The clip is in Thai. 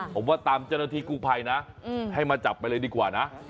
ผมว่าตามเจริณทรีย์กูภัยนะให้มาจับไปเลยดีกว่านะ